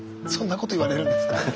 そんなこと言われるんですか？